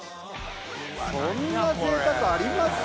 そんなぜいたくあります？